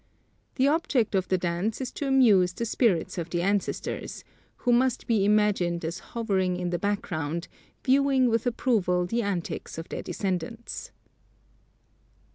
The object of the dance is to amuse the spirits of the ancestors, who must be imagined as hovering in the background, viewing with approval the antics of their descendants.